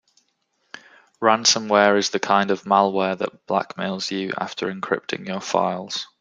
Ransomware is the kind of malware that blackmails you after encrypting your files.